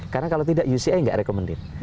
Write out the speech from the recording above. karena kalau tidak uci nggak rekomendir